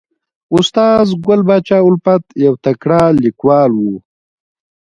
استاد ګل پاچا الفت یو تکړه لیکوال و